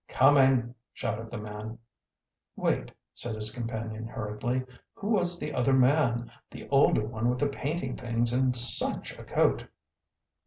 "Coming!" shouted the man. "Wait!" said his companion hurriedly, "Who was the other man, the older one with the painting things and SUCH a coat?"